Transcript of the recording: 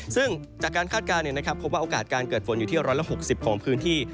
ซึ่งจากการคาดการณ์พบว่าโอกาสการเกิดฝนอยู่ที่๑๖๐ของพื้นที่